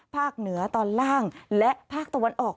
เหนือตอนล่างและภาคตะวันออก